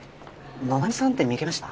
野々山さんって見かけました？